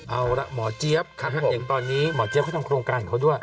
เอาละหมอเจี๊ยบอย่างตอนนี้หมอเจี๊ยเขาทำโครงการของเขาด้วย